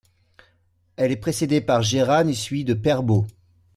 Elle est précédée par Jēran et suivie de Perþō.